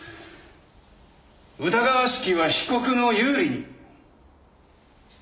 疑わしきは被告の有利に！